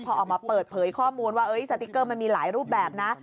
พอออกมาเปิดเผยข้อมูลว่าสติ๊กเกอร์มันมีหลายรูปแบบนะ